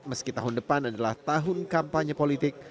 meski tahun depan adalah tahun kampanye politik